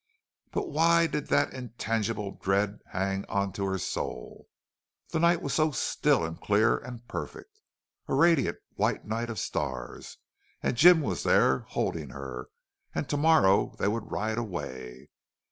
But why did that intangible dread hang on to her soul? The night was so still and clear and perfect a radiant white night of stars and Jim was there, holding her and to morrow they would ride away.